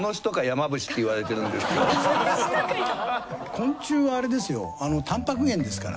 昆虫はあれですよ。